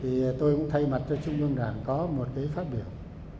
thì tôi cũng thay mặt cho trung ương đảng có một cái phát biểu